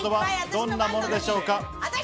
どんなものでしょうか？